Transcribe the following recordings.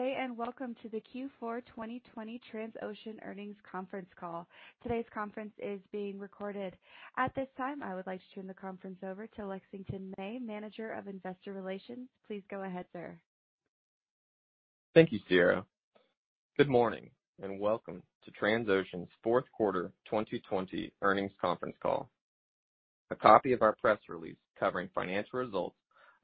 Good day, and welcome to the Q4 2020 Transocean earnings conference call. Today's conference is being recorded. At this time, I would like to turn the conference over to Lexington May, Manager of Investor Relations. Please go ahead, sir. Thank you, Sierra. Good morning, and welcome to Transocean's fourth quarter 2020 earnings conference call. A copy of our press release covering financial results,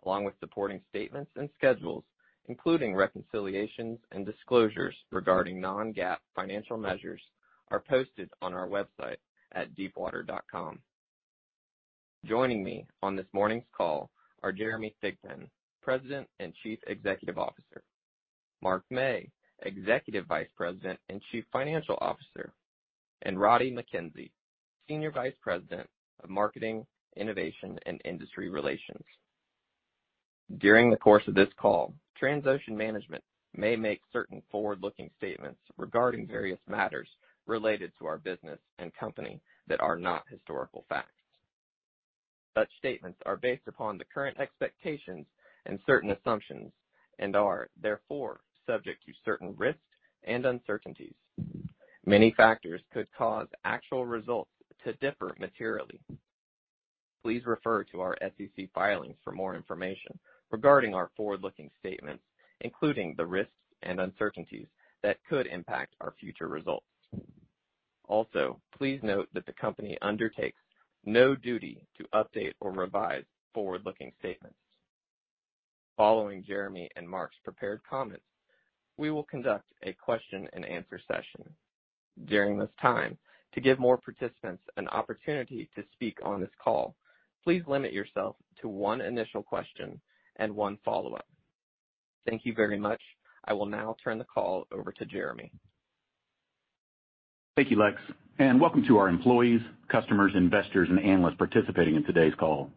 along with supporting statements and schedules, including reconciliations and disclosures regarding non-GAAP financial measures, are posted on our website at deepwater.com. Joining me on this morning's call are Jeremy Thigpen, President and Chief Executive Officer, Mark Mey, Executive Vice President and Chief Financial Officer, and Roddie Mackenzie, Senior Vice President of Marketing, Innovation, and Industry Relations. During the course of this call, Transocean management may make certain forward-looking statements regarding various matters related to our business and company that are not historical facts. Such statements are based upon the current expectations and certain assumptions and are, therefore, subject to certain risks and uncertainties. Many factors could cause actual results to differ materially. Please refer to our SEC filings for more information regarding our forward-looking statements, including the risks and uncertainties that could impact our future results. Also, please note that the company undertakes no duty to update or revise forward-looking statements. Following Jeremy and Mark's prepared comments, we will conduct a question and answer session. During this time, to give more participants an opportunity to speak on this call, please limit yourself to one initial question and one follow-up. Thank you very much. I will now turn the call over to Jeremy. Thank you, Lex, and welcome to our employees, customers, investors, and analysts participating in today's call.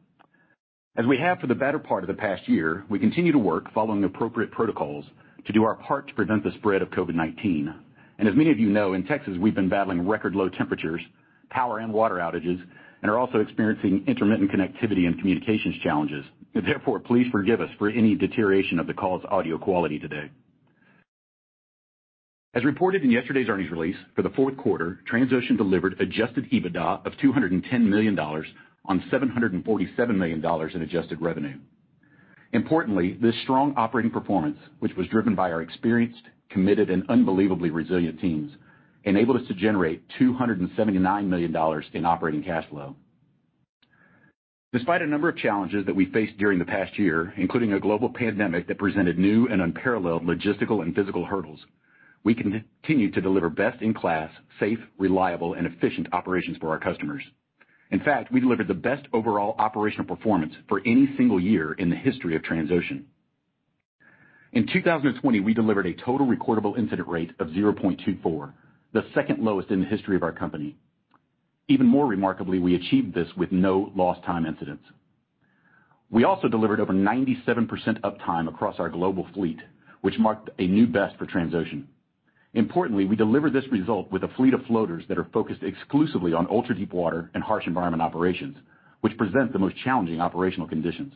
As we have for the better part of the past year, we continue to work following appropriate protocols to do our part to prevent the spread of COVID-19. As many of you know, in Texas, we've been battling record low temperatures, power and water outages, and are also experiencing intermittent connectivity and communications challenges. Therefore, please forgive us for any deterioration of the call's audio quality today. As reported in yesterday's earnings release, for the fourth quarter, Transocean delivered adjusted EBITDA of $210 million on $747 million in adjusted revenue. Importantly, this strong operating performance, which was driven by our experienced, committed, and unbelievably resilient teams, enabled us to generate $279 million in operating cash flow. Despite a number of challenges that we faced during the past year, including a global pandemic that presented new and unparalleled logistical and physical hurdles, we continued to deliver best-in-class, safe, reliable, and efficient operations for our customers. In fact, we delivered the best overall operational performance for any single year in the history of Transocean. In 2020, we delivered a total recordable incident rate of 0.24, the second lowest in the history of our company. Even more remarkably, we achieved this with no lost time incidents. We also delivered over 97% uptime across our global fleet, which marked a new best for Transocean. Importantly, we delivered this result with a fleet of floaters that are focused exclusively on ultra-deepwater and harsh environment operations, which present the most challenging operational conditions.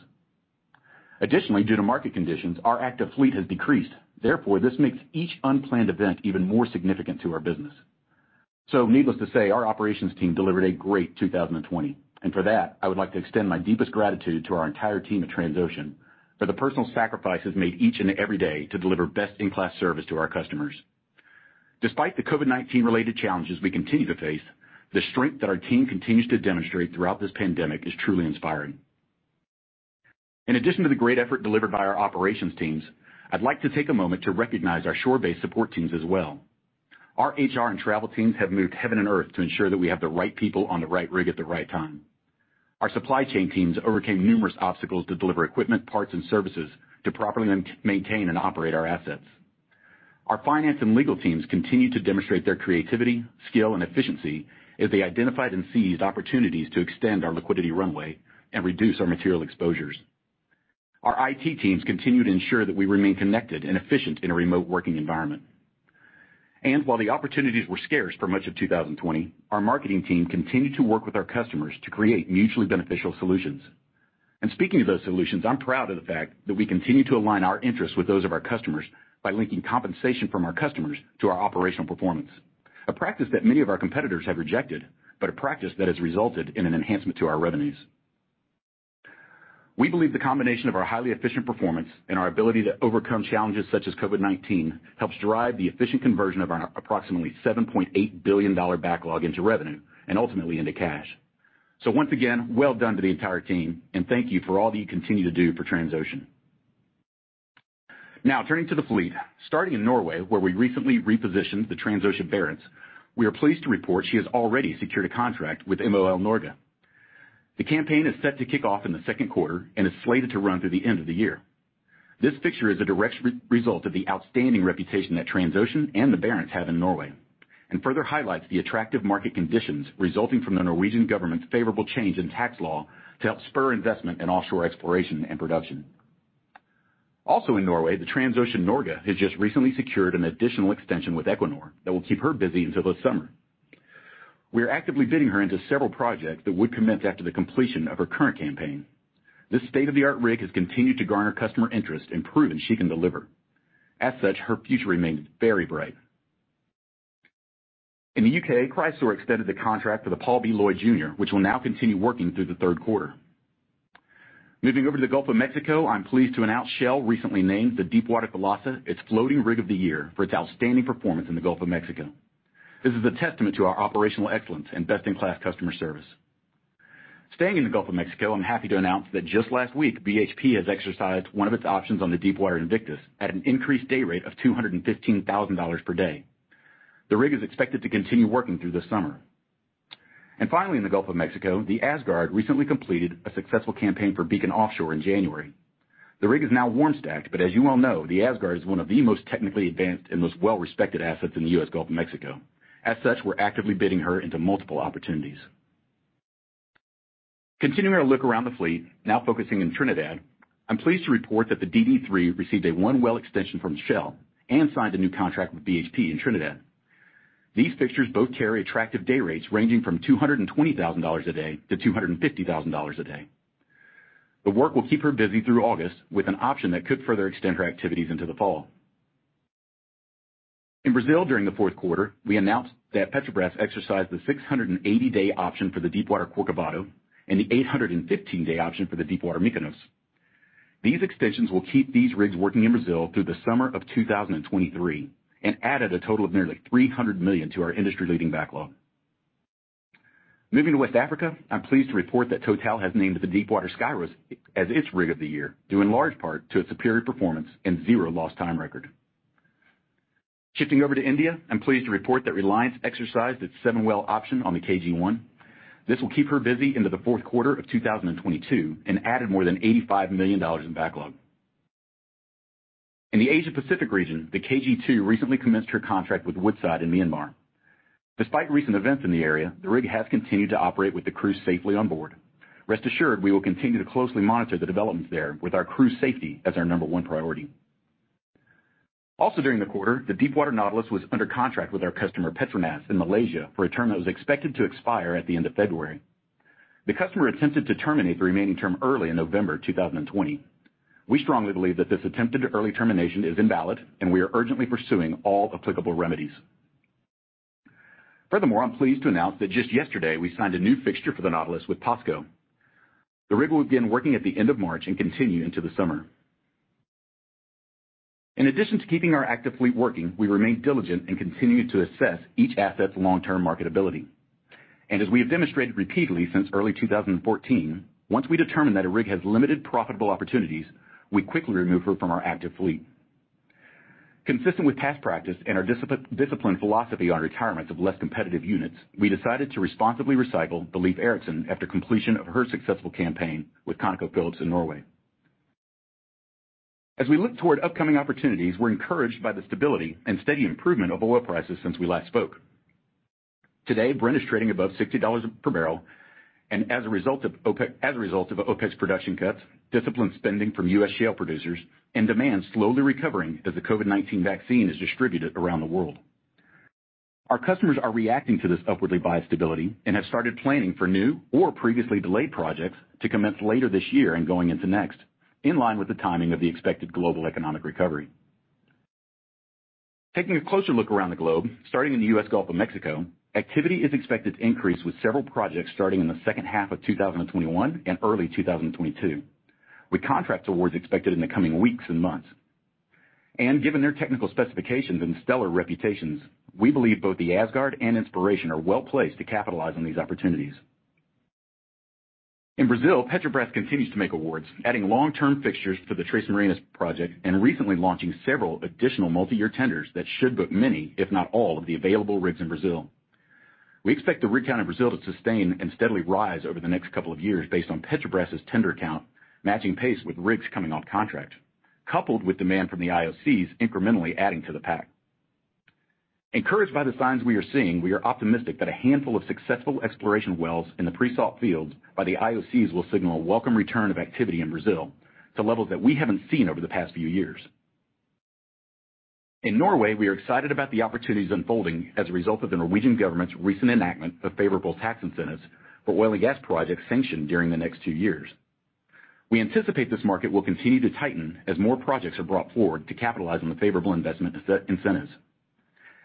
Additionally, due to market conditions, our active fleet has decreased. Therefore, this makes each unplanned event even more significant to our business. Needless to say, our operations team delivered a great 2020, and for that, I would like to extend my deepest gratitude to our entire team at Transocean for the personal sacrifices made each and every day to deliver best-in-class service to our customers. Despite the COVID-19-related challenges we continue to face, the strength that our team continues to demonstrate throughout this pandemic is truly inspiring. In addition to the great effort delivered by our operations teams, I'd like to take a moment to recognize our shore-based support teams as well. Our HR and travel teams have moved heaven and earth to ensure that we have the right people on the right rig at the right time. Our supply chain teams overcame numerous obstacles to deliver equipment, parts, and services to properly maintain and operate our assets. Our finance and legal teams continue to demonstrate their creativity, skill, and efficiency as they identified and seized opportunities to extend our liquidity runway and reduce our material exposures. Our IT teams continue to ensure that we remain connected and efficient in a remote working environment. While the opportunities were scarce for much of 2020, our marketing team continued to work with our customers to create mutually beneficial solutions. Speaking of those solutions, I'm proud of the fact that we continue to align our interests with those of our customers by linking compensation from our customers to our operational performance, a practice that many of our competitors have rejected, but a practice that has resulted in an enhancement to our revenues. We believe the combination of our highly efficient performance and our ability to overcome challenges such as COVID-19 helps drive the efficient conversion of our approximately $7.8 billion backlog into revenue and ultimately into cash. Once again, well done to the entire team, and thank you for all that you continue to do for Transocean. Turning to the fleet. Starting in Norway, where we recently repositioned the Transocean Barents, we are pleased to report she has already secured a contract with MOL Norge. The campaign is set to kick off in the second quarter and is slated to run through the end of the year. This fixture is a direct result of the outstanding reputation that Transocean and the Barents have in Norway and further highlights the attractive market conditions resulting from the Norwegian government's favorable change in tax law to help spur investment in offshore exploration and production. Also in Norway, the Transocean Norge has just recently secured an additional extension with Equinor that will keep her busy until the summer. We are actively bidding her into several projects that would commence after the completion of her current campaign. This state-of-the-art rig has continued to garner customer interest and proven she can deliver. As such, her future remains very bright. In the U.K., Chrysaor extended the contract for the Paul B. Loyd, Jr., which will now continue working through the third quarter. Moving over to the Gulf of Mexico, I am pleased to announce Shell recently named the Deepwater Conqueror its floating rig of the year for its outstanding performance in the Gulf of Mexico. This is a testament to our operational excellence and best-in-class customer service. Staying in the Gulf of Mexico, I am happy to announce that just last week, BHP has exercised one of its options on the Deepwater Invictus at an increased day rate of $215,000 per day. The rig is expected to continue working through the summer. Finally, in the Gulf of Mexico, the Asgard recently completed a successful campaign for Beacon Offshore in January. The rig is now warm stacked, but as you all know, the Asgard is one of the most technically advanced and most well-respected assets in the U.S. Gulf of Mexico. As such, we are actively bidding her into multiple opportunities. Continuing our look around the fleet, now focusing in Trinidad, I'm pleased to report that the DDIII received a one-well extension from Shell and signed a new contract with BHP in Trinidad. These fixtures both carry attractive day rates ranging from $220,000-$250,000 a day. The work will keep her busy through August with an option that could further extend her activities into the fall. In Brazil during the fourth quarter, we announced that Petrobras exercised the 680-day option for the Deepwater Corcovado and the 815-day option for the Deepwater Mykonos. These extensions will keep these rigs working in Brazil through the summer of 2023 and added a total of nearly $300 million to our industry-leading backlog. Moving to West Africa, I'm pleased to report that Total has named the Deepwater Skyros as its rig of the year, due in large part to its superior performance and zero lost time record. Shifting over to India, I'm pleased to report that Reliance exercised its seven-well option on the KG1. This will keep her busy into the fourth quarter of 2022 and added more than $85 million in backlog. In the Asia-Pacific region, the KG2 recently commenced her contract with Woodside in Myanmar. Despite recent events in the area, the rig has continued to operate with the crew safely on board. Rest assured, we will continue to closely monitor the developments there with our crew's safety as our number one priority. Also during the quarter, the Deepwater Nautilus was under contract with our customer, Petronas in Malaysia, for a term that was expected to expire at the end of February. The customer attempted to terminate the remaining term early in November 2020. We strongly believe that this attempted early termination is invalid, and we are urgently pursuing all applicable remedies. Furthermore, I'm pleased to announce that just yesterday, we signed a new fixture for the Nautilus with POSCO. The rig will begin working at the end of March and continue into the summer. In addition to keeping our active fleet working, we remain diligent and continue to assess each asset's long-term marketability. As we have demonstrated repeatedly since early 2014, once we determine that a rig has limited profitable opportunities, we quickly remove her from our active fleet. Consistent with past practice and our disciplined philosophy on retirements of less competitive units, we decided to responsibly recycle the Leiv Eiriksson after completion of her successful campaign with ConocoPhillips in Norway. As we look toward upcoming opportunities, we're encouraged by the stability and steady improvement of oil prices since we last spoke. Today, Brent is trading above $60 per barrel and as a result of OPEC's production cuts, disciplined spending from U.S. shale producers, and demand slowly recovering as the COVID-19 vaccine is distributed around the world. Our customers are reacting to this upwardly biased stability and have started planning for new or previously delayed projects to commence later this year and going into next, in line with the timing of the expected global economic recovery. Taking a closer look around the U.S. Gulf of Mexico, activity is expected to increase with several projects starting in the second half of 2021 and early 2022, with contract awards expected in the coming weeks and months. Given their technical specifications and stellar reputations, we believe both the Asgard and Inspiration are well-placed to capitalize on these opportunities. In Brazil, Petrobras continues to make awards, adding long-term fixtures to the Três Marias project and recently launching several additional multi-year tenders that should book many, if not all, of the available rigs in Brazil. We expect the rig count in Brazil to sustain and steadily rise over the next couple of years based on Petrobras tender count matching pace with rigs coming off contract, coupled with demand from the IOCs incrementally adding to the pack. Encouraged by the signs we are seeing, we are optimistic that a handful of successful exploration wells in the pre-salt fields by the IOCs will signal a welcome return of activity in Brazil to levels that we haven't seen over the past few years. In Norway, we are excited about the opportunities unfolding as a result of the Norwegian government's recent enactment of favorable tax incentives for oil and gas projects sanctioned during the next two years. We anticipate this market will continue to tighten as more projects are brought forward to capitalize on the favorable investment incentives.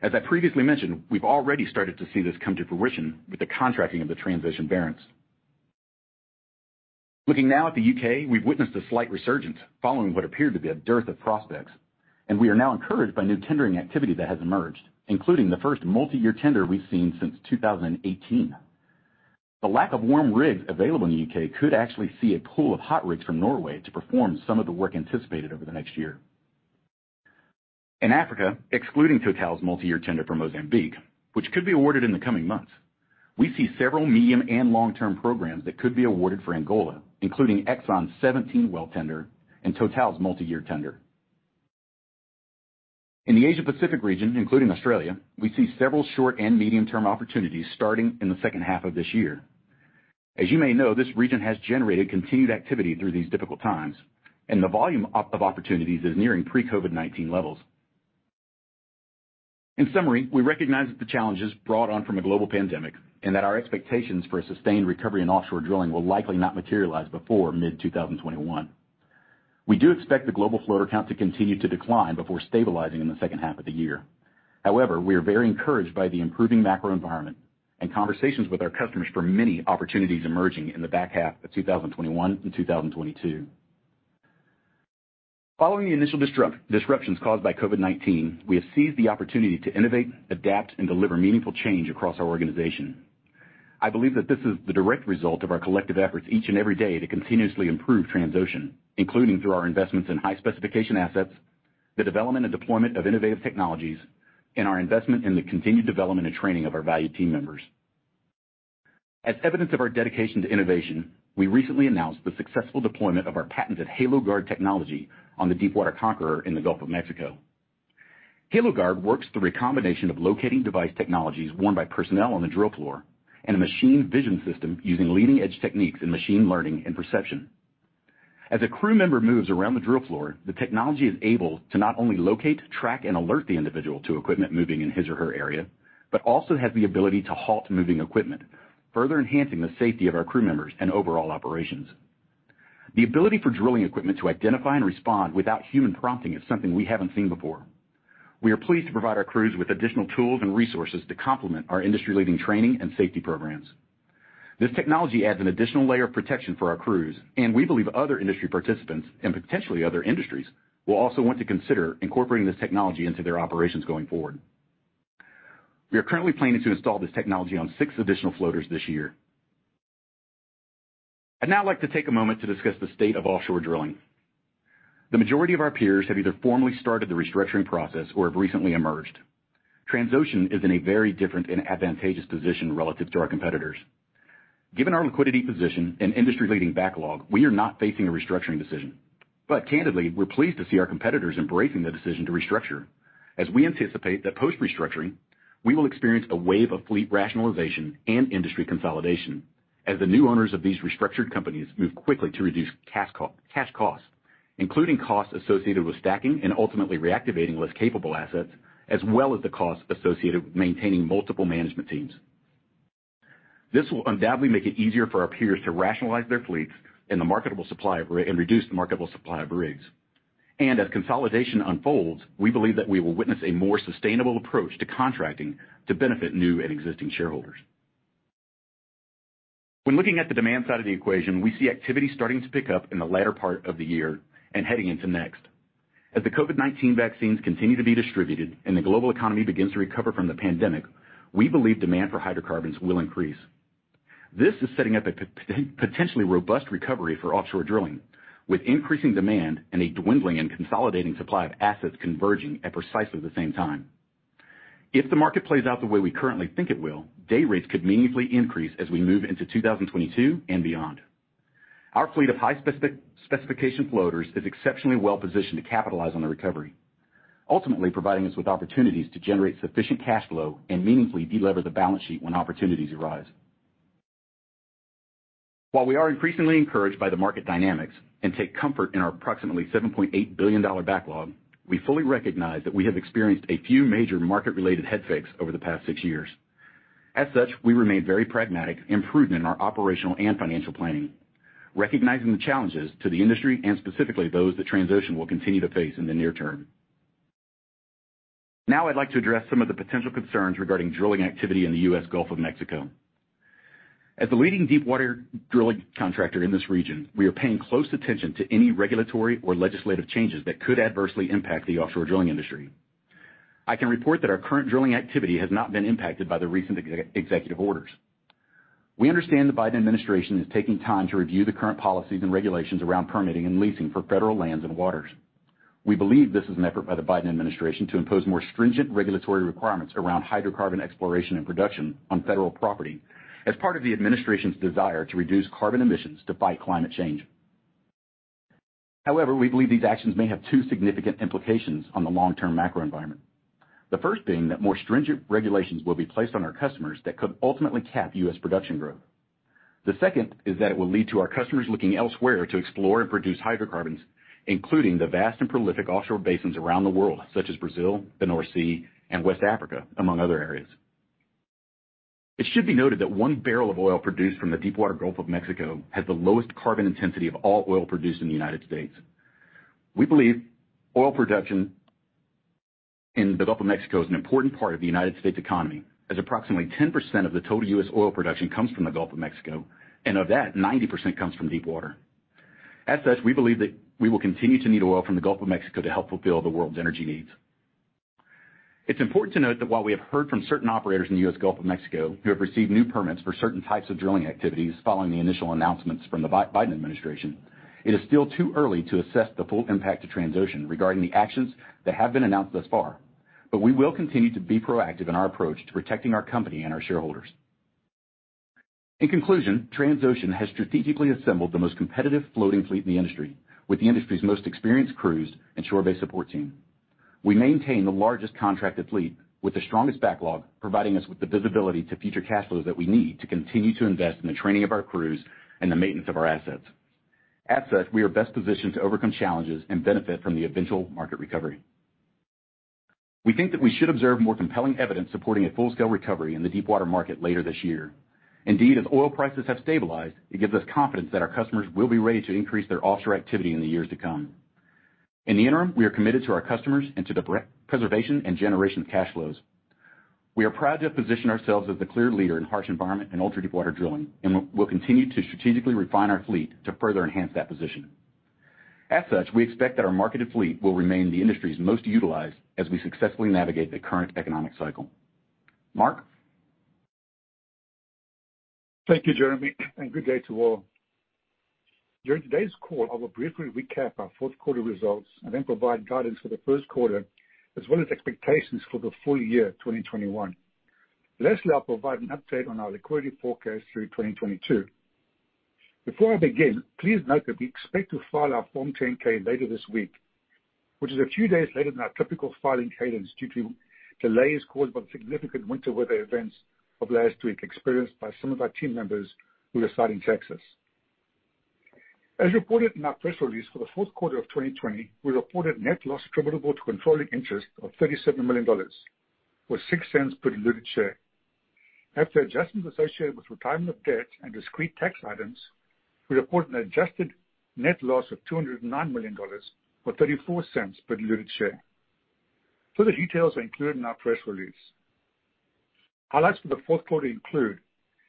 As I previously mentioned, we've already started to see this come to fruition with the contracting of the Transocean Barents. Looking now at the U.K., we've witnessed a slight resurgence following what appeared to be a dearth of prospects. We are now encouraged by new tendering activity that has emerged, including the first multi-year tender we've seen since 2018. The lack of warm rigs available in the U.K. could actually see a pool of hot rigs from Norway to perform some of the work anticipated over the next year. In Africa, excluding Total's multi-year tender for Mozambique, which could be awarded in the coming months, we see several medium and long-term programs that could be awarded for Angola, including Exxon's 17-well tender and Total's multi-year tender. In the Asia-Pacific region, including Australia, we see several short and medium-term opportunities starting in the second half of this year. As you may know, this region has generated continued activity through these difficult times. The volume of opportunities is nearing pre-COVID-19 levels. In summary, we recognize the challenges brought on from a global pandemic, and that our expectations for a sustained recovery in offshore drilling will likely not materialize before mid-2021. We do expect the global floater count to continue to decline before stabilizing in the second half of the year. We are very encouraged by the improving macro environment and conversations with our customers for many opportunities emerging in the back half of 2021 and 2022. Following the initial disruptions caused by COVID-19, we have seized the opportunity to innovate, adapt, and deliver meaningful change across our organization. I believe that this is the direct result of our collective efforts each and every day to continuously improve Transocean, including through our investments in high-specification assets, the development and deployment of innovative technologies, and our investment in the continued development and training of our valued team members. As evidence of our dedication to innovation, we recently announced the successful deployment of our patented HaloGuard technology on the Deepwater Conqueror in the Gulf of Mexico. HaloGuard works through a combination of locating device technologies worn by personnel on the drill floor and a machine vision system using leading-edge techniques in machine learning and perception. As a crew member moves around the drill floor, the technology is able to not only locate, track, and alert the individual to equipment moving in his or her area, but also has the ability to halt moving equipment, further enhancing the safety of our crew members and overall operations. The ability for drilling equipment to identify and respond without human prompting is something we haven't seen before. We are pleased to provide our crews with additional tools and resources to complement our industry-leading training and safety programs. This technology adds an additional layer of protection for our crews, and we believe other industry participants and potentially other industries will also want to consider incorporating this technology into their operations going forward. We are currently planning to install this technology on six additional floaters this year. I'd now like to take a moment to discuss the state of offshore drilling. The majority of our peers have either formally started the restructuring process or have recently emerged. Transocean is in a very different and advantageous position relative to our competitors. Given our liquidity position and industry-leading backlog, we are not facing a restructuring decision. Candidly, we're pleased to see our competitors embracing the decision to restructure, as we anticipate that post-restructuring, we will experience a wave of fleet rationalization and industry consolidation as the new owners of these restructured companies move quickly to reduce cash costs, including costs associated with stacking and ultimately reactivating less capable assets, as well as the costs associated with maintaining multiple management teams. This will undoubtedly make it easier for our peers to rationalize their fleets and reduce the marketable supply of rigs. As consolidation unfolds, we believe that we will witness a more sustainable approach to contracting to benefit new and existing shareholders. When looking at the demand side of the equation, we see activity starting to pick up in the latter part of the year and heading into next. As the COVID-19 vaccines continue to be distributed and the global economy begins to recover from the pandemic, we believe demand for hydrocarbons will increase. This is setting up a potentially robust recovery for offshore drilling, with increasing demand and a dwindling and consolidating supply of assets converging at precisely the same time. If the market plays out the way we currently think it will, day rates could meaningfully increase as we move into 2022 and beyond. Our fleet of high-specification floaters is exceptionally well-positioned to capitalize on the recovery, ultimately providing us with opportunities to generate sufficient cash flow and meaningfully delever the balance sheet when opportunities arise. While we are increasingly encouraged by the market dynamics and take comfort in our approximately $7.8 billion backlog, we fully recognize that we have experienced a few major market-related head fakes over the past six years. As such, we remain very pragmatic and prudent in our operational and financial planning, recognizing the challenges to the industry and specifically those that Transocean will continue to face in the near term. I'd like to address some of the potential concerns regarding drilling activity in the U.S. Gulf of Mexico. As the leading deepwater drilling contractor in this region, we are paying close attention to any regulatory or legislative changes that could adversely impact the offshore drilling industry. I can report that our current drilling activity has not been impacted by the recent executive orders. We understand the Biden administration is taking time to review the current policies and regulations around permitting and leasing for federal lands and waters. We believe this is an effort by the Biden administration to impose more stringent regulatory requirements around hydrocarbon exploration and production on federal property as part of the administration's desire to reduce carbon emissions to fight climate change. However, we believe these actions may have two significant implications on the long-term macro environment. The first being that more stringent regulations will be placed on our customers that could ultimately cap U.S. production growth. The second is that it will lead to our customers looking elsewhere to explore and produce hydrocarbons, including the vast and prolific offshore basins around the world, such as Brazil, the North Sea, and West Africa, among other areas. It should be noted that one barrel of oil produced from the deepwater Gulf of Mexico has the lowest carbon intensity of all oil produced in the United States. We believe oil production in the Gulf of Mexico is an important part of the U.S. economy, as approximately 10% of the total U.S. oil production comes from the Gulf of Mexico, and of that, 90% comes from deepwater. We believe that we will continue to need oil from the Gulf of Mexico to help fulfill the world's energy needs. It's important to note that while we have heard from certain operators in the U.S. Gulf of Mexico who have received new permits for certain types of drilling activities following the initial announcements from the Biden administration, it is still too early to assess the full impact to Transocean regarding the actions that have been announced thus far. We will continue to be proactive in our approach to protecting our company and our shareholders. In conclusion, Transocean has strategically assembled the most competitive floating fleet in the industry, with the industry's most experienced crews and shore-based support team. We maintain the largest contracted fleet with the strongest backlog, providing us with the visibility to future cash flows that we need to continue to invest in the training of our crews and the maintenance of our assets. As such, we are best positioned to overcome challenges and benefit from the eventual market recovery. We think that we should observe more compelling evidence supporting a full-scale recovery in the deepwater market later this year. As oil prices have stabilized, it gives us confidence that our customers will be ready to increase their offshore activity in the years to come. In the interim, we are committed to our customers and to the preservation and generation of cash flows. We are proud to have positioned ourselves as the clear leader in harsh environment and ultra-deepwater drilling, and we'll continue to strategically refine our fleet to further enhance that position. As such, we expect that our marketed fleet will remain the industry's most utilized as we successfully navigate the current economic cycle. Mark? Thank you, Jeremy, and good day to all. During today's call, I will briefly recap our fourth quarter results and then provide guidance for the first quarter as well as expectations for the full year 2021. Lastly, I'll provide an update on our liquidity forecast through 2022. Before I begin, please note that we expect to file our Form 10-K later this week, which is a few days later than our typical filing cadence due to delays caused by the significant winter weather events of last week experienced by some of our team members who reside in Texas. As reported in our press release for the fourth quarter of 2020, we reported net loss attributable to controlling interest of $37 million, or $0.06 per diluted share. After adjustments associated with retirement of debt and discrete tax items, we report an adjusted net loss of $209 million, or $0.34 per diluted share. Further details are included in our press release. Highlights for the fourth quarter include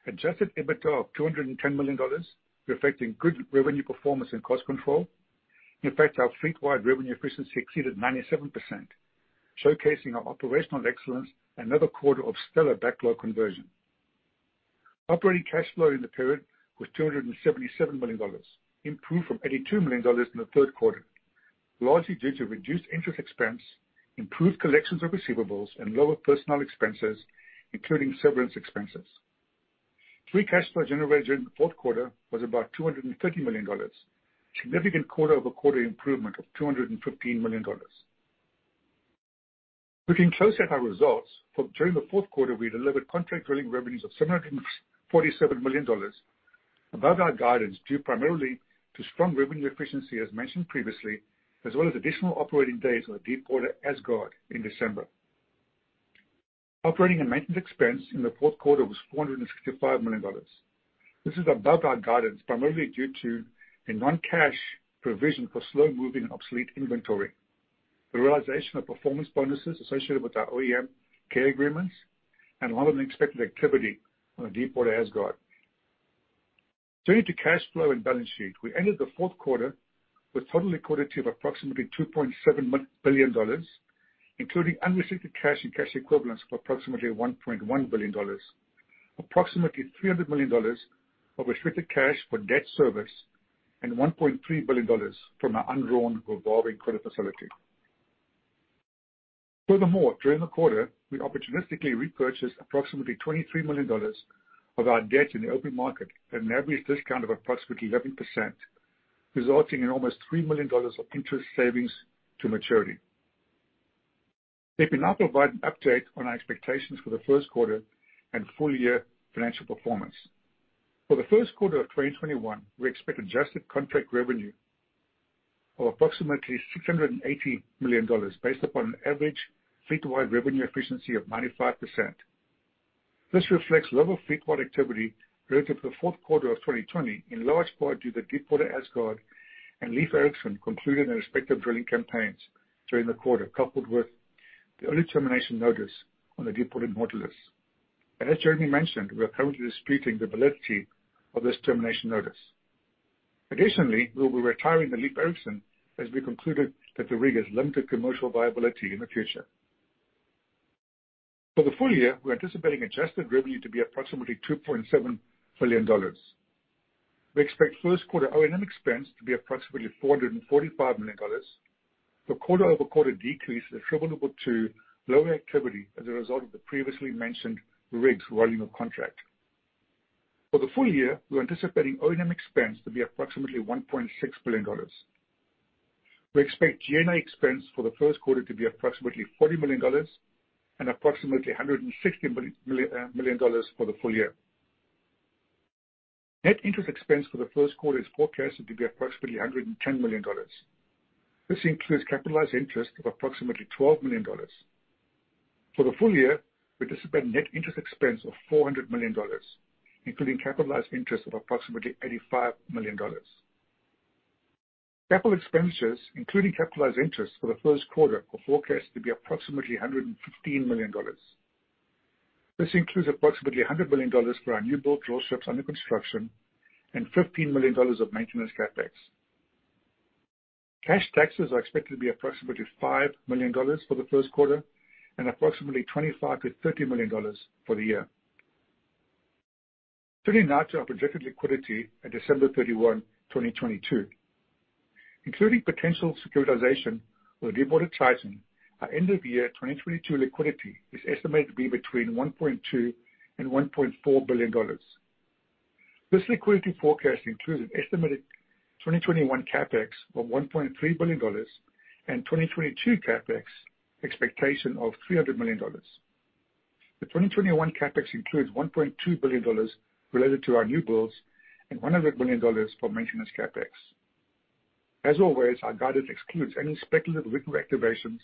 adjusted EBITDA of $210 million, reflecting good revenue performance and cost control. In fact, our fleet-wide revenue efficiency exceeded 97%, showcasing our operational excellence, another quarter of stellar backlog conversion. Operating cash flow in the period was $277 million, improved from $82 million in the third quarter, largely due to reduced interest expense, improved collections of receivables, and lower personnel expenses, including severance expenses. Free cash flow generated in the fourth quarter was about $230 million, a significant quarter-over-quarter improvement of $215 million. Looking closer at our results, during the fourth quarter, we delivered contract drilling revenues of $747 million, above our guidance, due primarily to strong revenue efficiency as mentioned previously, as well as additional operating days on the Deepwater Asgard in December. Operating and maintenance expense in the fourth quarter was $465 million. This is above our guidance, primarily due to a non-cash provision for slow-moving obsolete inventory, the realization of performance bonuses associated with our OEM care agreements, and a lot of unexpected activity on the Deepwater Asgard. Turning to cash flow and balance sheet, we ended the fourth quarter with total liquidity of approximately $2.7 billion, including unrestricted cash and cash equivalents of approximately $1.1 billion, approximately $300 million of restricted cash for debt service, and $1.3 billion from our undrawn revolving credit facility. Furthermore, during the quarter, we opportunistically repurchased approximately $23 million of our debt in the open market at an average discount of approximately 11%, resulting in almost $3 million of interest savings to maturity. Let me now provide an update on our expectations for the first quarter and full year financial performance. For the first quarter of 2021, we expect adjusted contract revenue of approximately $680 million, based upon an average fleet-wide revenue efficiency of 95%. This reflects lower fleet-wide activity relative to the fourth quarter of 2020, in large part due to Deepwater Asgard and Leiv Eiriksson concluding their respective drilling campaigns during the quarter, coupled with the early termination notice on the Deepwater Nautilus. As Jeremy mentioned, we are currently disputing the validity of this termination notice. Additionally, we'll be retiring the Leiv Eiriksson as we concluded that the rig has limited commercial viability in the future. For the full year, we're anticipating adjusted revenue to be approximately $2.7 billion. We expect first quarter O&M expense to be approximately $445 million, a quarter-over-quarter decrease attributable to lower activity as a result of the previously mentioned rigs running of contract. For the full year, we're anticipating O&M expense to be approximately $1.6 billion. We expect G&A expense for the first quarter to be approximately $40 million and approximately $160 million for the full year. Net interest expense for the first quarter is forecasted to be approximately $110 million. This includes capitalized interest of approximately $12 million. For the full year, we anticipate net interest expense of $400 million, including capitalized interest of approximately $85 million. Capital expenditures, including capitalized interest for the first quarter, are forecast to be approximately $115 million. This includes approximately $100 million for our newbuild drill ships under construction and $15 million of maintenance CapEx. Cash taxes are expected to be approximately $5 million for the first quarter and approximately $25 million to $30 million for the year. Turning now to our projected liquidity at December 31, 2022. Including potential securitization or demobilization, our end-of-year 2022 liquidity is estimated to be between $1.2 billion and $1.4 billion. This liquidity forecast includes an estimated 2021 CapEx of $1.3 billion and 2022 CapEx expectation of $300 million. The 2021 CapEx includes $1.2 billion related to our new builds and $100 million for maintenance CapEx. As always, our guidance excludes any speculative rig reactivations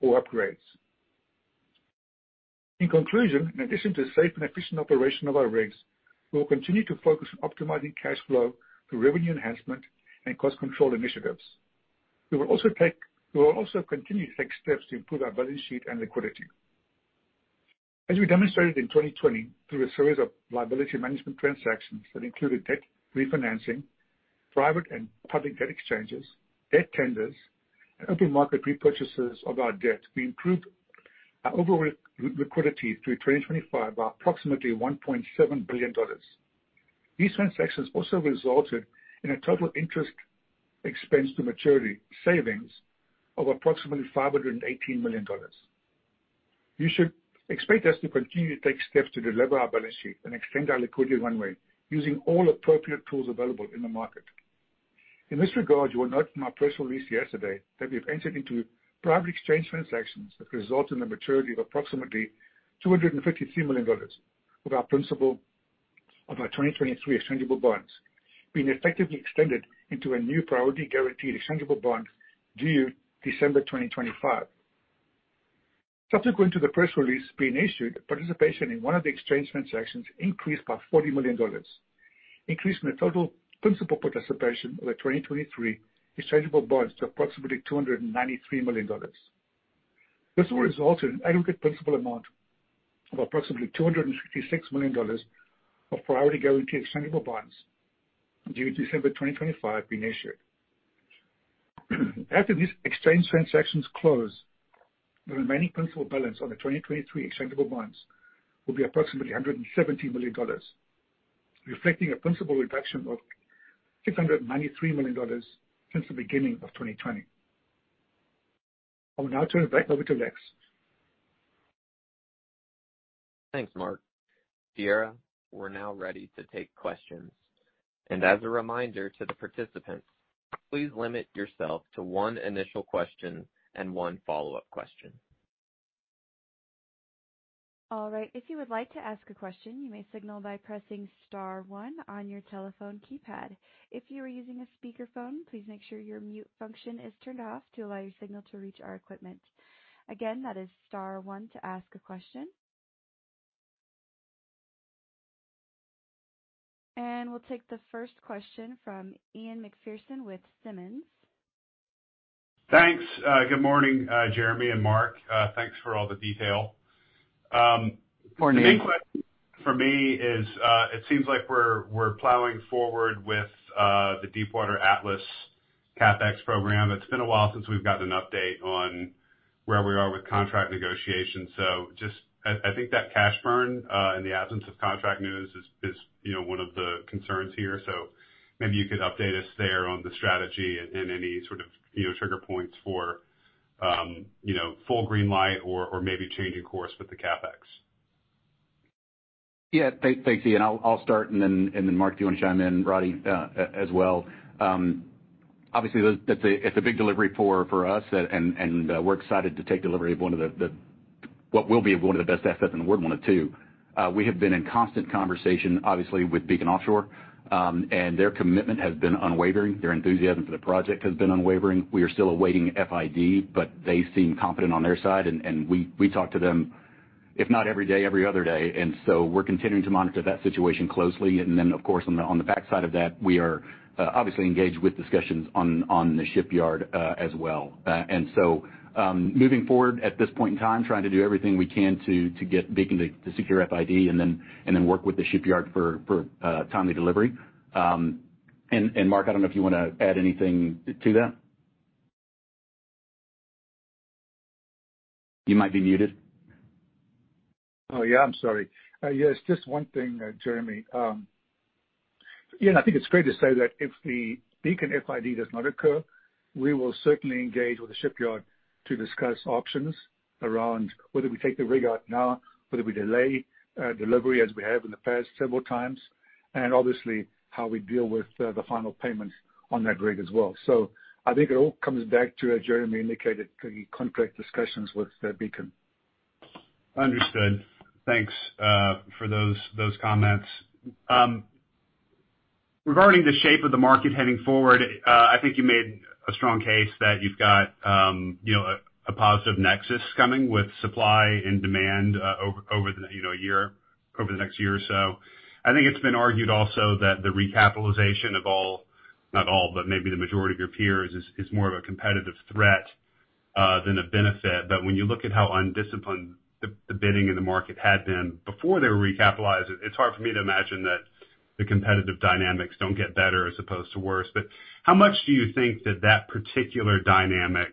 or upgrades. In conclusion, in addition to safe and efficient operation of our rigs, we will continue to focus on optimizing cash flow through revenue enhancement and cost control initiatives. We will also continue to take steps to improve our balance sheet and liquidity. As we demonstrated in 2020 through a series of liability management transactions that included debt refinancing, private and public debt exchanges, debt tenders, and open market repurchases of our debt, we improved our overall liquidity through 2025 by approximately $1.7 billion. These transactions also resulted in a total interest expense to maturity savings of approximately $518 million. You should expect us to continue to take steps to delever our balance sheet and extend our liquidity runway using all appropriate tools available in the market. In this regard, you will note from our press release yesterday that we have entered into private exchange transactions that result in the maturity of approximately $253 million of our principal of our 2023 exchangeable bonds being effectively extended into a new priority guaranteed exchangeable bond due December 2025. Subsequent to the press release being issued, participation in one of the exchange transactions increased by $40 million, increasing the total principal participation of the 2023 exchangeable bonds to approximately $293 million. This will result in an aggregate principal amount of approximately $256 million of priority guaranteed exchangeable bonds due December 2025, being issued. After these exchange transactions close, the remaining principal balance on the 2023 exchangeable bonds will be approximately $117 million, reflecting a principal reduction of $693 million since the beginning of 2020. I will now turn it back over to Lex. Thanks, Mark. Sierra, we're now ready to take questions. As a reminder to the participants, please limit yourself to one initial question and one follow-up question. All right. If you would like to ask a question, you may signal by pressing star one on your telephone keypad. If you are using a speakerphone, please make sure your mute function is turned off to allow your signal to reach our equipment. Again, that is star one to ask a question. We'll take the first question from Ian MacPherson with Simmons. Thanks. Good morning, Jeremy and Mark. Thanks for all the detail. Good morning. The main question for me is, it seems like we're plowing forward with the Deepwater Atlas CapEx program. It's been a while since we've gotten an update on where we are with contract negotiations. I think that cash burn, in the absence of contract news is one of the concerns here. Maybe you could update us there on the strategy and any sort of trigger points for full green light or maybe changing course with the CapEx. Yeah. Thanks, Ian. I'll start and then, Mark, if you want to chime in, Roddie, as well. Obviously, it's a big delivery for us and we're excited to take delivery of what will be one of the best assets, and we want it too. We have been in constant conversation, obviously, with Beacon Offshore, and their commitment has been unwavering. Their enthusiasm for the project has been unwavering. We are still awaiting FID, but they seem confident on their side, and we talk to them, if not every day, every other day. We're continuing to monitor that situation closely. Of course, on the backside of that, we are obviously engaged with discussions on the shipyard as well. Moving forward, at this point in time, trying to do everything we can to get Beacon to secure FID and then work with the shipyard for timely delivery. Mark, I don't know if you want to add anything to that. You might be muted. Oh, yeah. I'm sorry. Yes, just one thing, Jeremy. Ian, I think it's fair to say that if the Beacon FID does not occur, we will certainly engage with the shipyard to discuss options around whether we take the rig out now, whether we delay delivery as we have in the past several times, and obviously how we deal with the final payment on that rig as well. I think it all comes back to, as Jeremy indicated, the contract discussions with Beacon. Understood. Thanks for those comments. Regarding the shape of the market heading forward, I think you made a strong case that you've got a positive nexus coming with supply and demand over the next year or so. I think it's been argued also that the recapitalization of all, not all, but maybe the majority of your peers, is more of a competitive threat than a benefit. When you look at how undisciplined the bidding in the market had been before they were recapitalized, it's hard for me to imagine that the competitive dynamics don't get better as opposed to worse. How much do you think that that particular dynamic,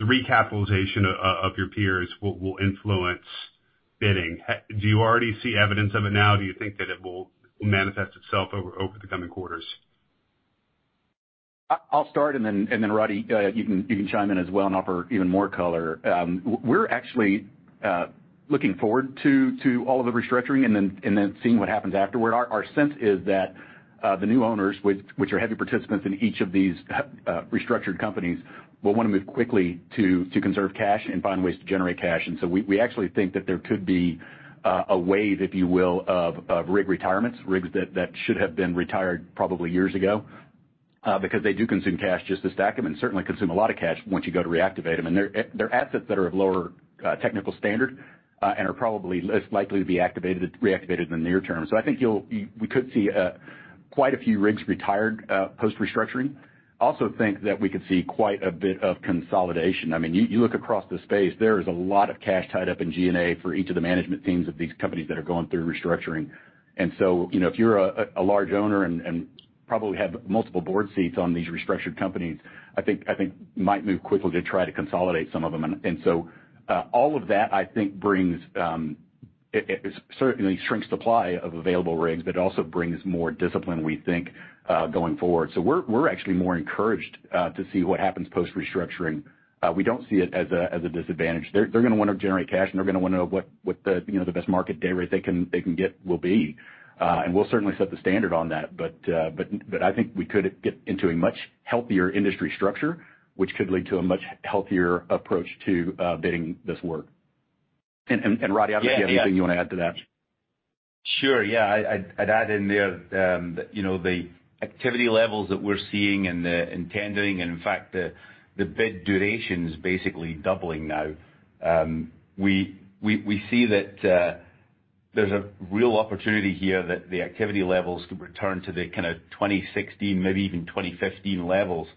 the recapitalization of your peers, will influence bidding? Do you already see evidence of it now? Do you think that it will manifest itself over the coming quarters? I'll start, and then Roddie, you can chime in as well and offer even more color. We're actually looking forward to all of the restructuring and then seeing what happens afterward. Our sense is that the new owners, which are heavy participants in each of these restructured companies, will want to move quickly to conserve cash and find ways to generate cash. We actually think that there could be a wave, if you will, of rig retirements, rigs that should have been retired probably years ago, because they do consume cash just to stack them, and certainly consume a lot of cash once you go to reactivate them. They're assets that are of lower technical standard, and are probably less likely to be reactivated in the near term. I think we could see quite a few rigs retired post-restructuring. Also think that we could see quite a bit of consolidation. You look across the space, there is a lot of cash tied up in G&A for each of the management teams of these companies that are going through restructuring. If you're a large owner and probably have multiple board seats on these restructured companies, I think might move quickly to try to consolidate some of them. All of that, I think, certainly shrinks supply of available rigs, but it also brings more discipline, we think, going forward. We're actually more encouraged to see what happens post-restructuring. We don't see it as a disadvantage. They're going to want to generate cash, and they're going to want to know what the best market day rate they can get will be. We'll certainly set the standard on that. I think we could get into a much healthier industry structure, which could lead to a much healthier approach to bidding this work. Yeah anything you want to add to that? Sure. Yeah. I'd add in there, the activity levels that we're seeing and the intending, and in fact, the bid duration is basically doubling now. We see that there's a real opportunity here that the activity levels could return to the kind of 2016, maybe even 2015 levels.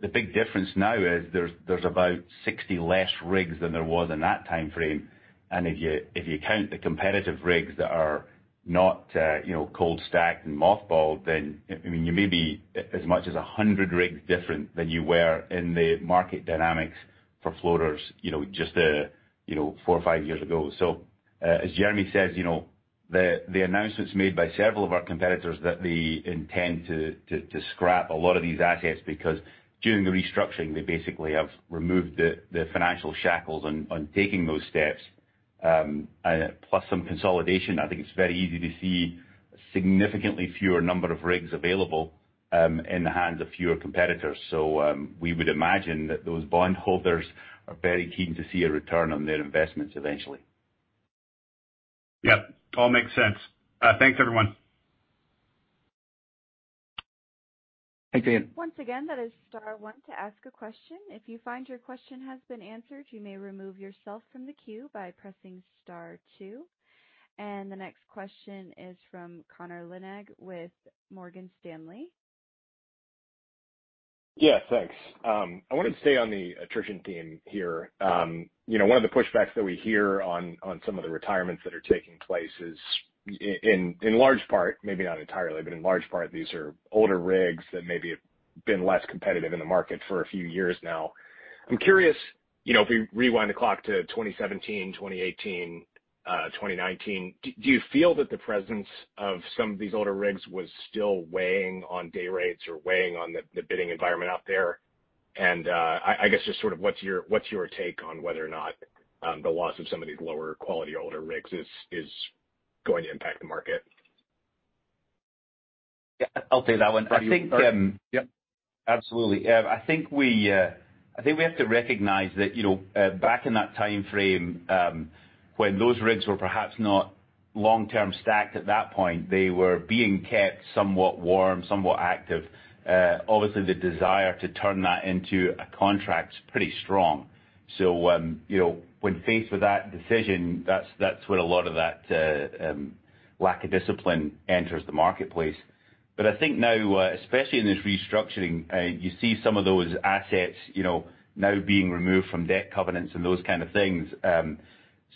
The big difference now is there's about 60 less rigs than there was in that timeframe. If you count the competitive rigs that are not cold stacked and mothballed, then you may be as much as 100 rigs different than you were in the market dynamics for floaters just four or five years ago. As Jeremy says, the announcements made by several of our competitors that they intend to scrap a lot of these assets because during the restructuring, they basically have removed the financial shackles on taking those steps. Some consolidation, I think it's very easy to see significantly fewer number of rigs available in the hands of fewer competitors. We would imagine that those bondholders are very keen to see a return on their investments eventually. Yep. All makes sense. Thanks, everyone. Thanks, Ian. Once again, that is star one to ask a question. If you find your question has been answered, you may remove yourself from the queue by pressing star two. The next question is from Connor Lynagh with Morgan Stanley. Yeah, thanks. I wanted to stay on the attrition theme here. One of the pushbacks that we hear on some of the retirements that are taking place is, in large part, maybe not entirely, but in large part, these are older rigs that maybe have been less competitive in the market for a few years now. I'm curious, if we rewind the clock to 2017, 2018, 2019, do you feel that the presence of some of these older rigs was still weighing on day rates or weighing on the bidding environment out there? I guess just sort of what's your take on whether or not the loss of some of these lower quality older rigs is going to impact the market? Yeah, I'll take that one. Sorry. Yep. Absolutely. I think we have to recognize that back in that timeframe, when those rigs were perhaps not long-term stacked at that point, they were being kept somewhat warm, somewhat active. Obviously, the desire to turn that into a contract is pretty strong. When faced with that decision, that's where a lot of that lack of discipline enters the marketplace. I think now, especially in this restructuring, you see some of those assets now being removed from debt covenants and those kind of things.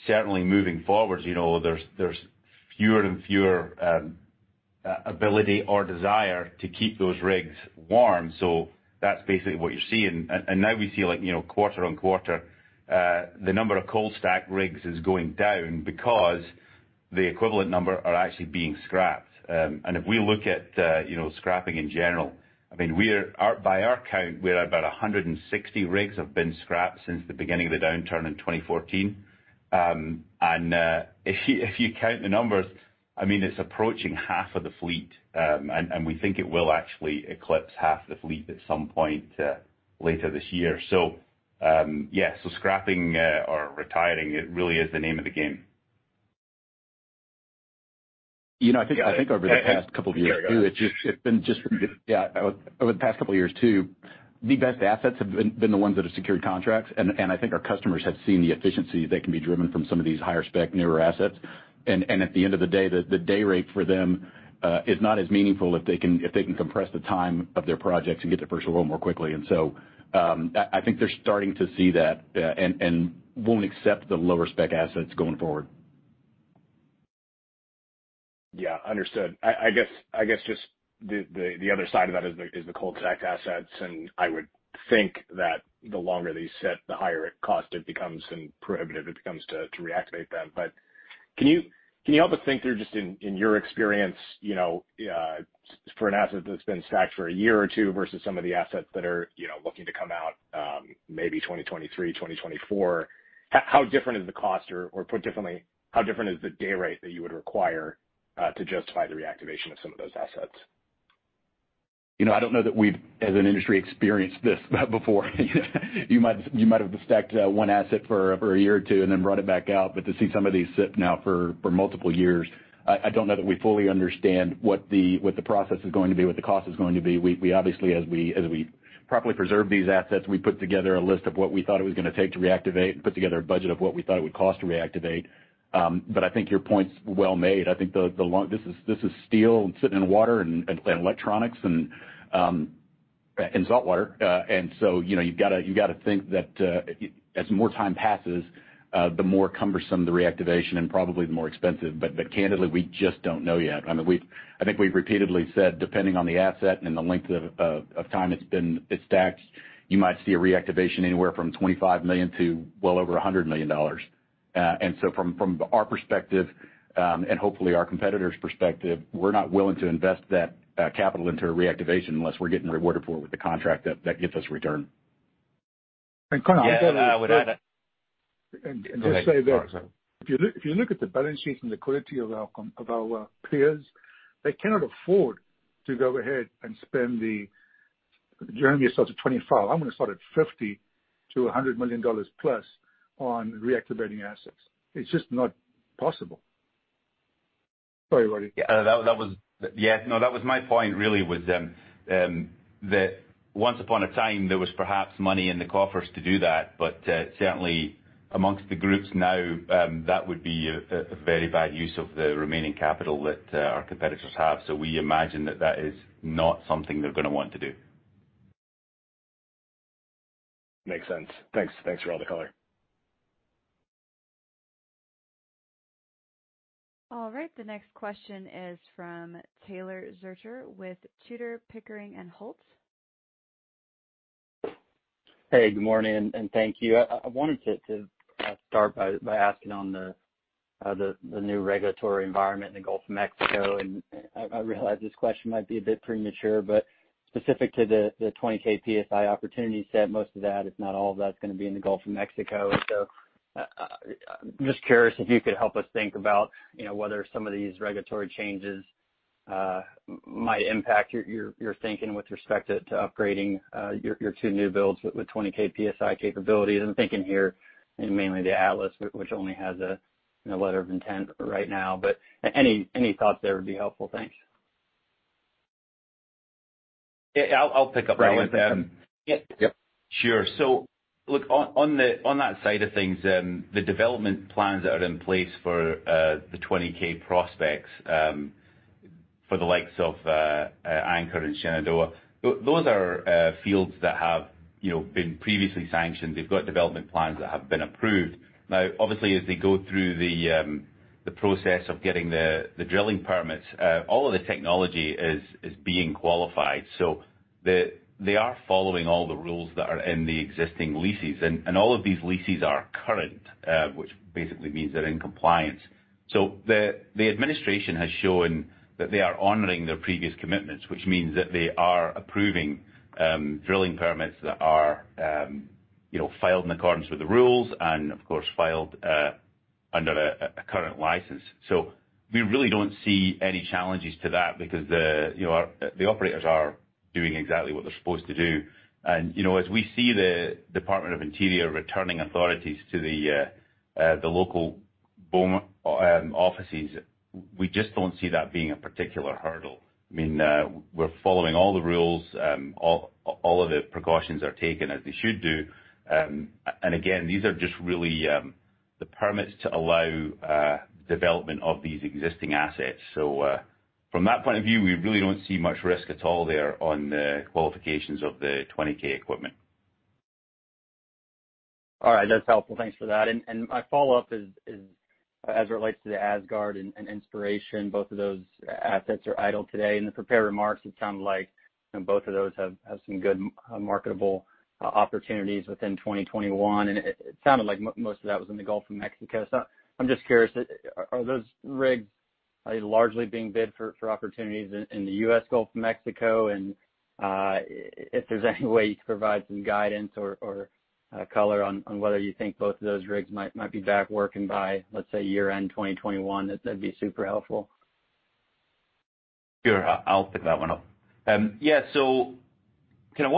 Certainly moving forward, there's fewer and fewer ability or desire to keep those rigs warm. That's basically what you're seeing. Now we see quarter-on-quarter, the number of cold stacked rigs is going down because the equivalent number are actually being scrapped. If we look at scrapping in general, by our count, we're about 160 rigs have been scrapped since the beginning of the downturn in 2014. If you count the numbers, it's approaching half of the fleet. We think it will actually eclipse half the fleet at some point later this year. Scrapping or retiring, it really is the name of the game. I think over the past couple of years too- Sorry, go ahead. Yeah. Over the past couple of years too, the best assets have been the ones that have secured contracts. I think our customers have seen the efficiencies that can be driven from some of these higher spec, newer assets. At the end of the day, the day rate for them is not as meaningful if they can compress the time of their projects and get to first oil more quickly. I think they're starting to see that, and won't accept the lower spec assets going forward. Yeah, understood. I guess just the other side of that is the cold stacked assets, and I would think that the longer these sit, the higher cost it becomes and prohibitive it becomes to reactivate them. Can you help us think through, just in your experience, for an asset that's been stacked for a year or two versus some of the assets that are looking to come out maybe 2023, 2024, how different is the cost? Put differently, how different is the day rate that you would require to justify the reactivation of some of those assets? I don't know that we've, as an industry, experienced this before. You might have stacked one asset for a year or two and then brought it back out. To see some of these sit now for multiple years, I don't know that we fully understand what the process is going to be, what the cost is going to be. We obviously, as we properly preserve these assets, we put together a list of what we thought it was going to take to reactivate and put together a budget of what we thought it would cost to reactivate. I think your point's well made. I think this is steel sitting in water and electronics and saltwater. You've got to think that as more time passes, the more cumbersome the reactivation and probably the more expensive. Candidly, we just don't know yet. I think we've repeatedly said, depending on the asset and the length of time it's been stacked, you might see a reactivation anywhere from $25 million to well over $100 million. From our perspective, and hopefully our competitors' perspective, we're not willing to invest that capital into a reactivation unless we're getting rewarded for it with the contract that gives us return. Connor, Yeah. And just say that- Go ahead, sorry. You look at the balance sheet and the quality of our peers, they cannot afford to go ahead and spend. Jeremy started $25, I'm going to start at $50 million-$100 million plus on reactivating assets. It's just not possible. Sorry, Roddie. Yeah, that was my point really was that once upon a time, there was perhaps money in the coffers to do that, but certainly amongst the groups now, that would be a very bad use of the remaining capital that our competitors have. We imagine that that is not something they're going to want to do. Makes sense. Thanks for all the color. All right, the next question is from Taylor Zurcher with Tudor, Pickering, and Holt. Good morning, and thank you. I wanted to start by asking on the new regulatory environment in the Gulf of Mexico. I realize this question might be a bit premature, specific to the 20K psi opportunity set, most of that, if not all of that, is going to be in the Gulf of Mexico. I'm just curious if you could help us think about whether some of these regulatory changes might impact your thinking with respect to upgrading your two new builds with 20K psi capabilities. I'm thinking here in mainly the Atlas, which only has a letter of intent right now. Any thoughts there would be helpful. Thanks. Yeah, I'll pick up. Roddie, why don't you take them? Yeah. Yep. Sure. Look, on that side of things, the development plans that are in place for the 20K prospects for the likes of Anchor and Shenandoah, those are fields that have been previously sanctioned. They've got development plans that have been approved. Obviously, as they go through the process of getting the drilling permits, all of the technology is being qualified. They are following all the rules that are in the existing leases. All of these leases are current, which basically means they're in compliance. The administration has shown that they are honoring their previous commitments, which means that they are approving drilling permits that are filed in accordance with the rules and, of course, filed under a current license. We really don't see any challenges to that because the operators are doing exactly what they're supposed to do. As we see the Department of the Interior returning authorities to the local BOEM offices, we just don't see that being a particular hurdle. We're following all the rules. All of the precautions are taken as they should do. Again, these are just really the permits to allow development of these existing assets. From that point of view, we really don't see much risk at all there on the qualifications of the 20K equipment. All right. That's helpful. Thanks for that. My follow-up is as it relates to the Asgard and Inspiration, both of those assets are idle today. In the prepared remarks, it sounded like both of those have some good marketable opportunities within 2021, and it sounded like most of that was in the Gulf of Mexico. I'm just curious, are those rigs largely being bid for opportunities in the U.S. Gulf of Mexico? If there's any way you could provide some guidance or color on whether you think both of those rigs might be back working by, let's say, year-end 2021, that'd be super helpful. Sure. I'll pick that one up. What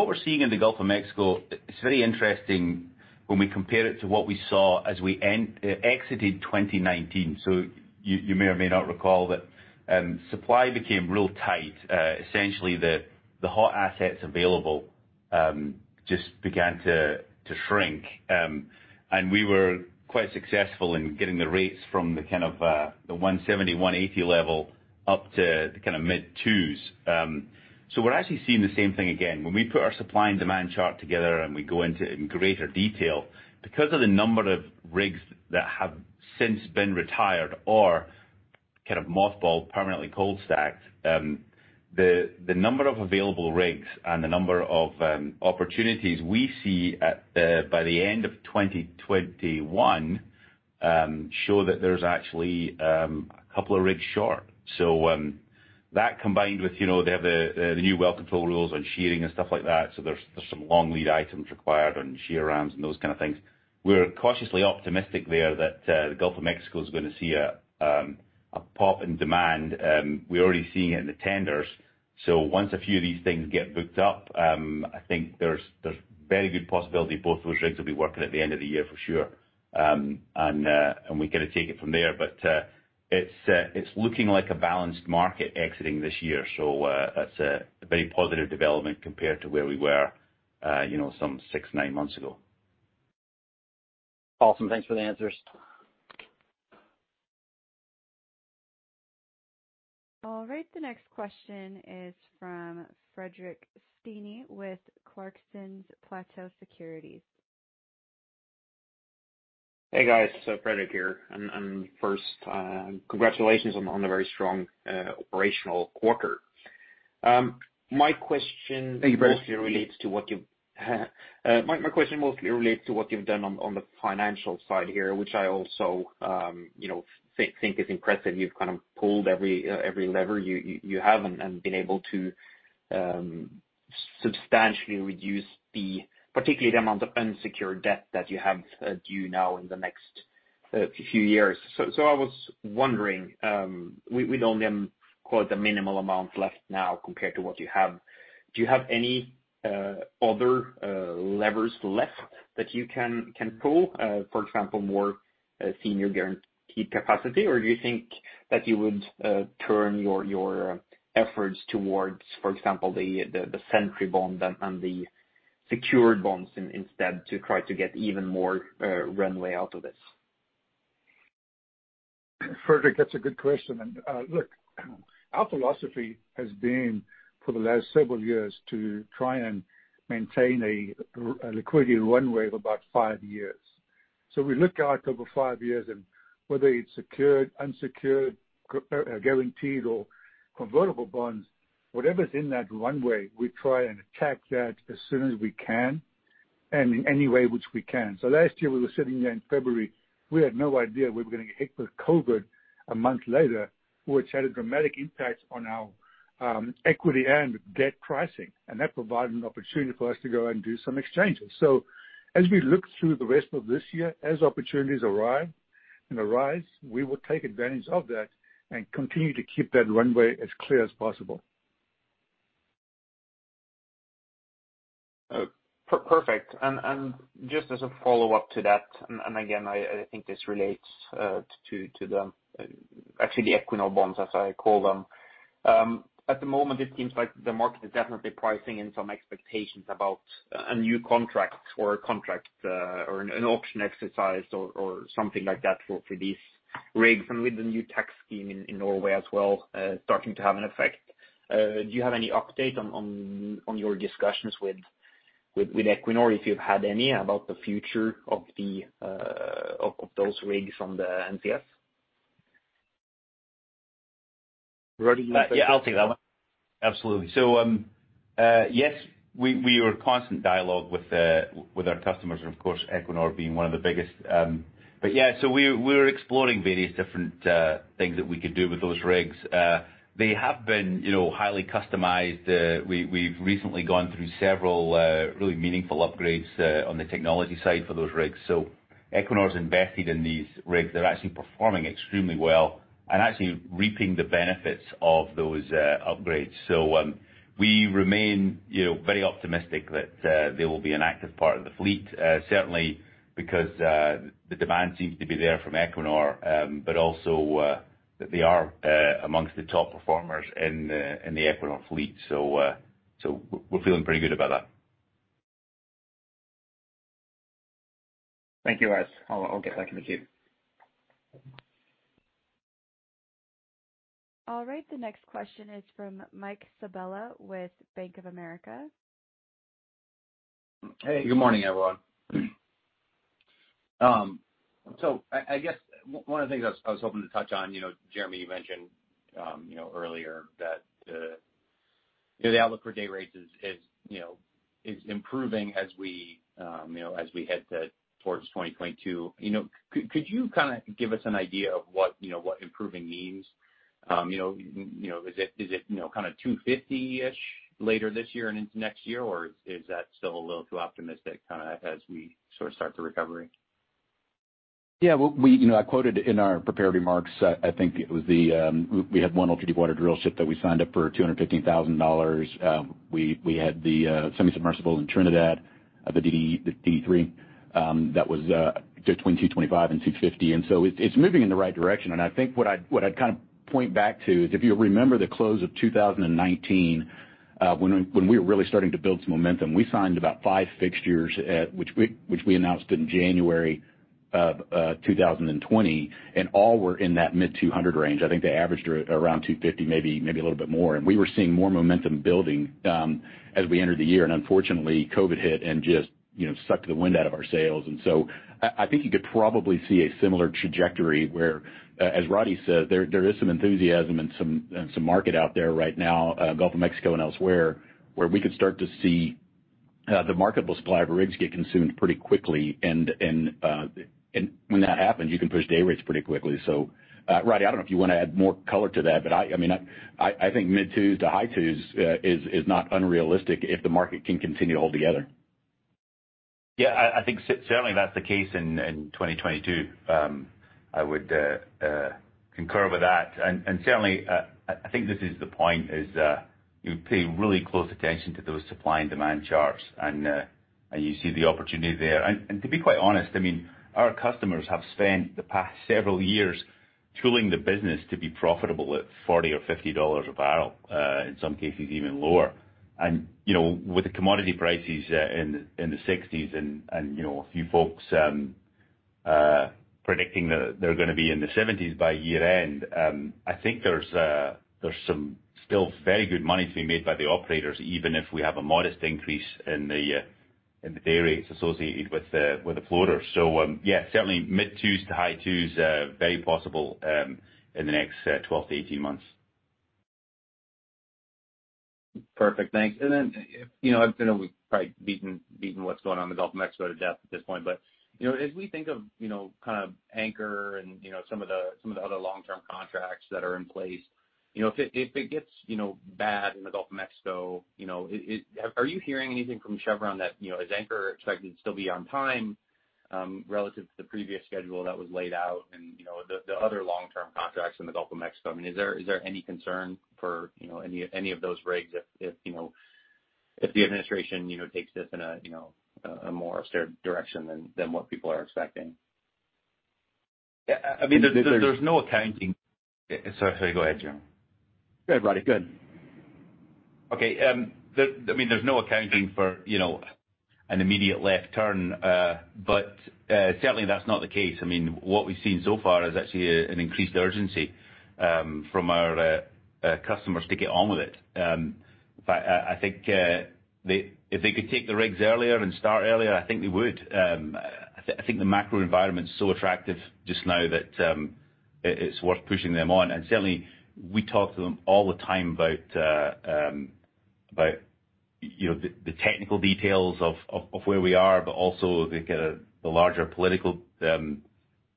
we're seeing in the Gulf of Mexico, it's very interesting when we compare it to what we saw as we exited 2019. You may or may not recall that supply became real tight. Essentially, the hot assets available just began to shrink. We were quite successful in getting the rates from the kind of the $170, $180 level up to the mid twos. We're actually seeing the same thing again. When we put our supply and demand chart together and we go into it in greater detail, because of the number of rigs that have since been retired or kind of mothballed, permanently cold stacked, the number of available rigs and the number of opportunities we see by the end of 2021 show that there's actually a couple of rigs short. That combined with the new well control rules on shearing and stuff like that, there's some long lead items required on shear rams and those kind of things. We're cautiously optimistic there that the Gulf of Mexico is going to see a pop in demand. We're already seeing it in the tenders. Once a few of these things get booked up, I think there's a very good possibility both those rigs will be working at the end of the year for sure. We got to take it from there, but it's looking like a balanced market exiting this year. That's a very positive development compared to where we were some six, nine months ago. Awesome. Thanks for the answers. All right, the next question is from Fredrik Stene with Clarksons Platou Securities. Hey, guys. Fredrik here, first, congratulations on the very strong operational quarter. My question- Thank you, Fredrik. ...mostly relates to what you've done on the financial side here, which I also think is impressive. You've kind of pulled every lever you have and been able to substantially reduce particularly the amount of unsecured debt that you have due now in the next few years. I was wondering, with only quite a minimal amount left now compared to what you have, do you have any other levers left that you can pull, for example, more senior guaranteed capacity? Or do you think that you would turn your efforts towards, for example, the Sentry bond and the secured bonds instead to try to get even more runway out of this? Fredrik, that's a good question, look, our philosophy has been, for the last several years, to try and maintain a liquidity runway of about five years. We look out over five years, and whether it's secured, unsecured, guaranteed, or convertible bonds, whatever's in that runway, we try and attack that as soon as we can and in any way which we can. Last year, we were sitting there in February, we had no idea we were going to get hit with COVID-19 a month later, which had a dramatic impact on our equity and debt pricing. That provided an opportunity for us to go and do some exchanges. As we look through the rest of this year, as opportunities arrive and arise, we will take advantage of that and continue to keep that runway as clear as possible. Perfect. Just as a follow-up to that, and again, I think this relates to actually the Equinor bonds, as I call them. At the moment, it seems like the market is definitely pricing in some expectations about a new contract or a contract or an option exercise or something like that for these rigs and with the new tax scheme in Norway as well starting to have an effect. Do you have any update on your discussions with Equinor, if you've had any, about the future of those rigs on the NCS? Roddie, you want to take that? Yeah, I'll take that one. Absolutely. Yes, we are in constant dialogue with our customers, and of course, Equinor being one of the biggest. We're exploring various different things that we could do with those rigs. They have been highly customized. We've recently gone through several really meaningful upgrades on the technology side for those rigs. Equinor's invested in these rigs. They're actually performing extremely well and actually reaping the benefits of those upgrades. We remain very optimistic that they will be an active part of the fleet, certainly because the demand seems to be there from Equinor, but also that they are amongst the top performers in the Equinor fleet. We're feeling pretty good about that. Thank you, guys. I'll get back in the queue. All right, the next question is from Mike Sabella with Bank of America. Hey. Good morning, everyone. I guess one of the things I was hoping to touch on, Jeremy, you mentioned earlier that the outlook for day rates is improving as we head towards 2022. Could you give us an idea of what improving means? Is it kind of 250-ish later this year and into next year, or is that still a little too optimistic as we sort of start the recovery? Yeah. I quoted in our prepared remarks, I think it was we had one ultra-deepwater drill ship that we signed up for $250,000. We had the semi-submersibles in Trinidad, the DD3, that was between $225,000-$250,000. It's moving in the right direction, and I think what I'd point back to is if you'll remember the close of 2019, when we were really starting to build some momentum. We signed about five fixtures, which we announced in January of 2020, and all were in that mid $200 range. I think they averaged around $250, maybe a little bit more. We were seeing more momentum building as we entered the year. Unfortunately, COVID hit and just sucked the wind out of our sails. I think you could probably see a similar trajectory where, as Roddie said, there is some enthusiasm and some market out there right now, Gulf of Mexico and elsewhere, where we could start to see the marketable supply of rigs get consumed pretty quickly. When that happens, you can push day rates pretty quickly. Roddie, I don't know if you want to add more color to that, but I think mid twos to high twos is not unrealistic if the market can continue to hold together. Yeah, I think certainly that's the case in 2022. I would concur with that. Certainly, I think this is the point is, you pay really close attention to those supply and demand charts, and you see the opportunity there. To be quite honest, our customers have spent the past several years tooling the business to be profitable at $40 or $50 a barrel, in some cases even lower. With the commodity prices in the 60s and a few folks predicting that they're going to be in the 70s by year-end, I think there's some still very good money to be made by the operators, even if we have a modest increase in the day rates associated with the floaters. Yeah, certainly mid twos to high twos, very possible in the next 12 to 18 months. Perfect. Thanks. I've probably beaten what's going on in the Gulf of Mexico to death at this point. As we think of Anchor and some of the other long-term contracts that are in place, if it gets bad in the Gulf of Mexico, are you hearing anything from Chevron that, is Anchor expected to still be on time relative to the previous schedule that was laid out and the other long-term contracts in the Gulf of Mexico? Is there any concern for any of those rigs if the administration takes this in a more austere direction than what people are expecting? Sorry, go ahead, Jeremy. Go ahead, Roddie. Go ahead. Okay. There's no accounting for an immediate left turn. Certainly that's not the case. What we've seen so far is actually an increased urgency from our customers to get on with it. In fact, if they could take the rigs earlier and start earlier, I think they would. I think the macro environment's so attractive just now that it's worth pushing them on. Certainly, we talk to them all the time about the technical details of where we are, but also the larger political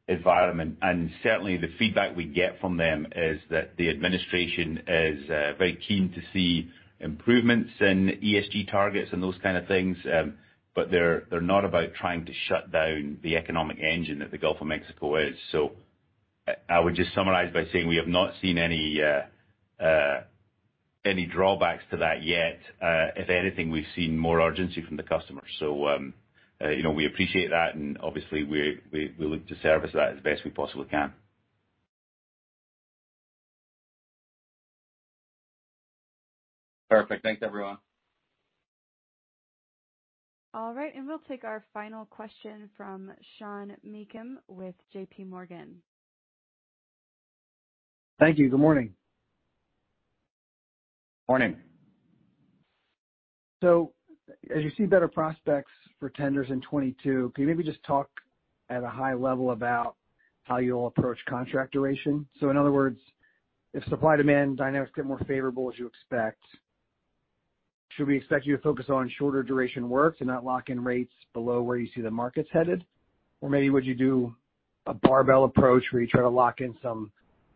environment. Certainly, the feedback we get from them is that the Administration is very keen to see improvements in ESG targets and those kind of things. They're not about trying to shut down the economic engine that the Gulf of Mexico is. I would just summarize by saying we have not seen any drawbacks to that yet. If anything, we've seen more urgency from the customers. We appreciate that, and obviously we look to service that as best we possibly can. Perfect. Thanks, everyone. All right, we'll take our final question from Sean Meakim with JPMorgan. Thank you. Good morning. Morning. As you see better prospects for tenders in 2022, can you maybe just talk at a high level about how you'll approach contract duration? In other words, if supply demand dynamics get more favorable as you expect, should we expect you to focus on shorter duration work to not lock in rates below where you see the markets headed? Maybe would you do a barbell approach where you try to lock in some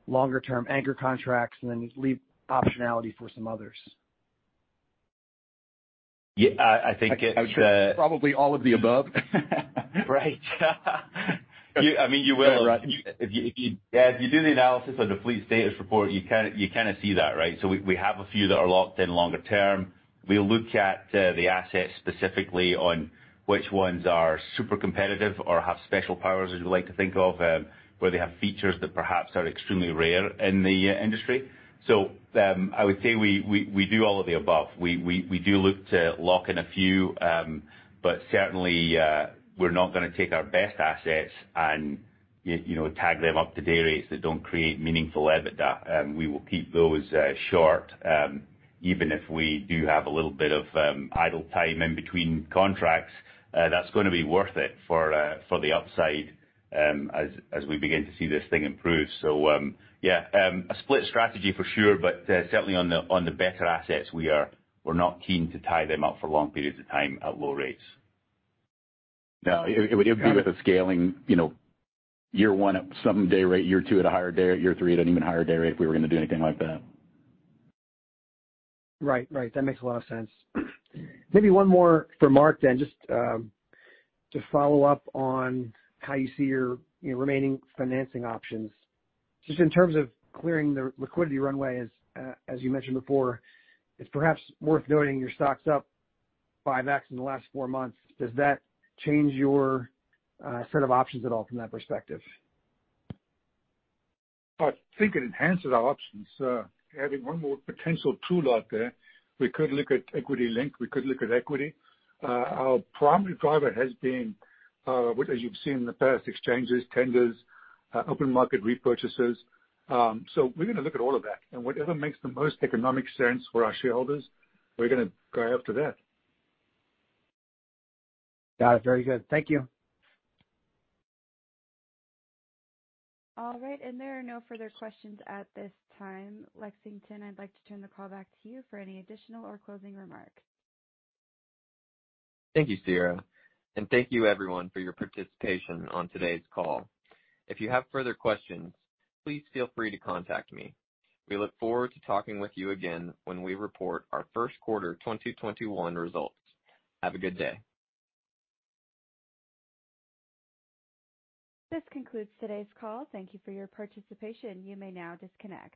longer-term Anchor contracts and then leave optionality for some others? Yeah, I think. Probably all of the above. Right. If you do the analysis on the fleet status report, you kind of see that, right? We have a few that are locked in longer term. We look at the assets specifically on which ones are super competitive or have special powers, as we like to think of, where they have features that perhaps are extremely rare in the industry. I would say we do all of the above. We do look to lock in a few, but certainly, we're not going to take our best assets and tag them up to day rates that don't create meaningful EBITDA. We will keep those short, even if we do have a little bit of idle time in between contracts. That's going to be worth it for the upside as we begin to see this thing improve. Yeah, a split strategy for sure, but certainly on the better assets, we're not keen to tie them up for long periods of time at low rates. No, it would be with a scaling year one at some day rate, year two at a higher day rate, year three at an even higher day rate if we were going to do anything like that. Right. That makes a lot of sense. Maybe one more for Mark, then, just to follow up on how you see your remaining financing options. Just in terms of clearing the liquidity runway, as you mentioned before, it's perhaps worth noting your stock's up 5x in the last four months. Does that change your set of options at all from that perspective? I think it enhances our options. Having one more potential tool out there. We could look at equity link. We could look at equity. Our primary driver has been, as you've seen in the past, exchanges, tenders, open market repurchases. We're going to look at all of that, and whatever makes the most economic sense for our shareholders, we're going to go after that. Got it. Very good. Thank you. All right, there are no further questions at this time. Lexington, I'd like to turn the call back to you for any additional or closing remarks. Thank you, Sierra, and thank you everyone for your participation on today's call. If you have further questions, please feel free to contact me. We look forward to talking with you again when we report our first quarter 2021 results. Have a good day. This concludes today's call. Thank you for your participation. You may now disconnect.